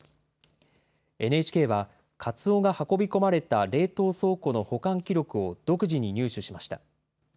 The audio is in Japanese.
ＮＨＫは、カツオが運び込まれた冷凍倉庫の保管記録を独自に入手しました。